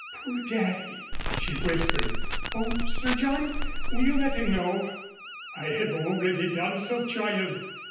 "Poor Daddy!" she whispered. "O Sir John, will you let him know ?" "I have already done so, child.